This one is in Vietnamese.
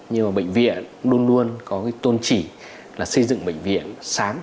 nhưng bệnh viện luôn luôn có tôn chỉ là xây dựng bệnh viện sáng